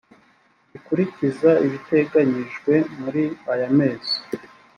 gikurikiza ibiteganyijwe muri aya mezi